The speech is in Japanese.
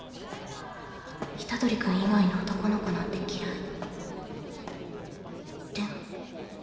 虎杖君以外の男の子なんて嫌い。